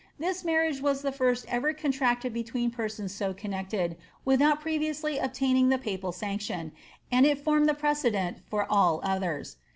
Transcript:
This marriage was the first ever contracted between persons so connected, without previously obtaining the papal sanction, and it formed the precedent for all others.